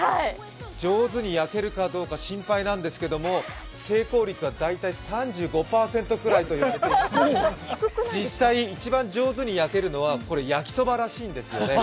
上手に焼けるかどうか心配なんですけれども成功率は大体３５％ぐらいということで、実際、一番上手に焼けるのは焼きそばらしいんですね。